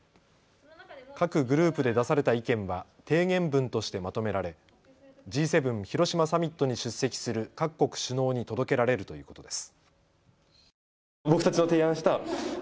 各グループで出された意見は提言文としてまとめられＧ７広島サミットに出席する各国首脳に届けられるということです。